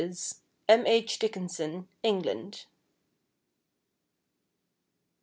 M. H. Dickinson, England.